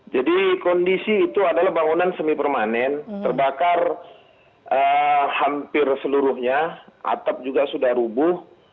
jadi kondisi itu adalah bangunan semi permanen terbakar hampir seluruhnya atap juga sudah rubuh